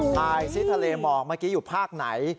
ซิทะเลหมอกเมื่อกี้อยู่ภาคไหน